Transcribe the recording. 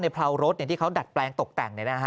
เพรารถที่เขาดัดแปลงตกแต่ง